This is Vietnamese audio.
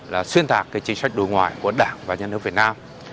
và xuyên thạc cái chính sách đối ngoại của đảng và nhân hợp việt nam